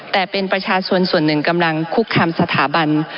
แต่เป็นประชาชนส่วนหนึ่งกำลังคุกคามสถาบัน